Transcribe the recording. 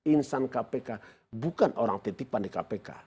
insan kpk bukan orang titipan di kpk